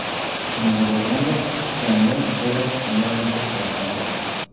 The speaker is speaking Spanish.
Como gobernante, Qianlong era extremadamente trabajador.